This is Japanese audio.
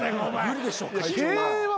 無理でしょ会長は。